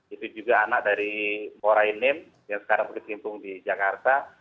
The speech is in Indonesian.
itu juga anak dari morainim yang sekarang berkecimpung di jakarta